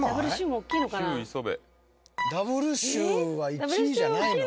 ダブルシューは１位じゃないの？